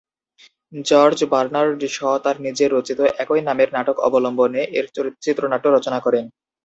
George Bernard Shaw' তার নিজের রচিত "একই নামের" নাটক অবলম্বনে এর চিত্রনাট্য রচনা করেন।